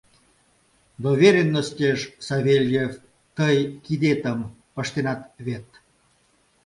Доверенностеш, Савельев, тый кидетым пыштенат вет?!